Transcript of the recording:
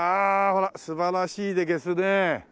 ほら素晴らしいでげすね。